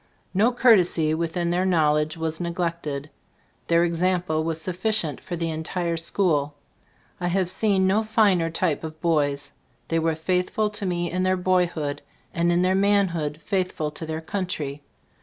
No cour tesy within their knowledge was neg lected. Their example was sufficient for the entire school. I have seen no finer type of boys. They were faith ful to me in their boyhood, and in their manhood faithful to their coun try.